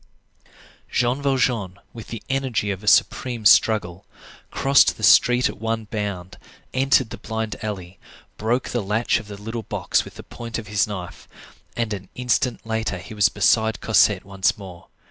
Jean Valjean, with the energy of a supreme struggle, crossed the street at one bound, entered the blind alley, broke the latch of the little box with the point of his knife, and an instant later he was beside Cosette once more.